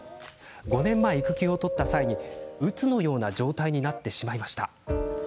５年前、育休を取った際にうつのような状態になってしまいました。